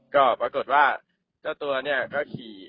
ก็ปรากฏว่าเจ้าตัวเนี่ยก็ขี่